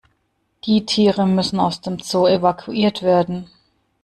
Die Tiere müssen aus dem Zoo evakuiert werden.